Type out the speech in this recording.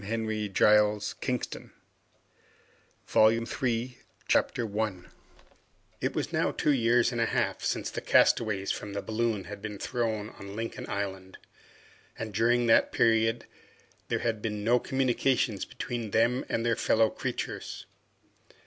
PART 3 THE SECRET OF THE ISLAND Chapter 1 It was now two years and a half since the castaways from the balloon had been thrown on Lincoln Island, and during that period there had been no communication between them and their fellow creatures.